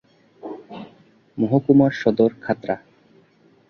মহকুমার সদর খাতড়া।